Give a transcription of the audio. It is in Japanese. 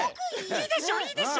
いいでしょいいでしょ。